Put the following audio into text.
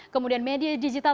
kemudian media digital